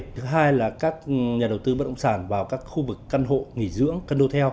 thứ hai là các nhà đầu tư bất động sản vào các khu vực căn hộ nghỉ dưỡng cân đô theo